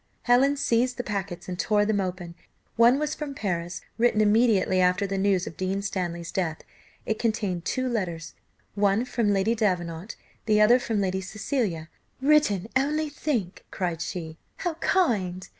Helen seized the packets and tore them open; one was from Paris, written immediately after the news of Dean Stanley's death; it contained two letters, one from Lady Davenant, the other from Lady Cecilia "written, only think!" cried she, "how kind!